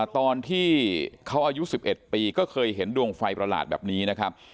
ตอนที่เขาอายุ๑๑ปีก็เคยเห็นดวงไฟประหลาดแบบนี้นะครับ